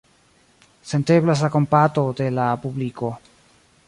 Senteblas la kompato de la publiko.